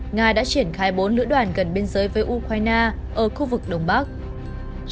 nga đã triển khai bốn lữ đoàn gần biên giới với ukraine ở khu vực đông bắc